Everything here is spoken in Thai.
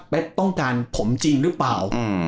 เป็นต้องการผมจริงหรือเปล่า